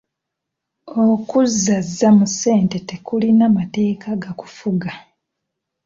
Okuzaaza mu ssente tekulina mateeka gakufuga.